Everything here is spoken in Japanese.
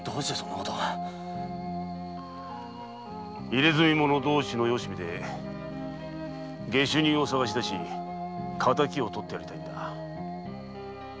入墨者同士のよしみで下手人を探し出し敵をとってやりたいんだ。